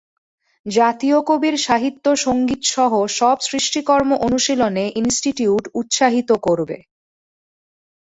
জাতীয় কবির সাহিত্য, সংগীতসহ সব সৃষ্টিকর্ম অনুশীলনে ইনস্টিটিউট উৎসাহিত করবে।